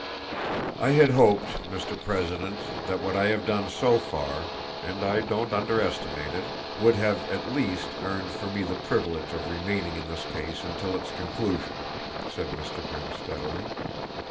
"I had hoped, Mr. President, that what I have done so far and I don't underestimate it would have, at least, earned for me the privilege of remaining in this case until its conclusion," said Mr. Grimm steadily.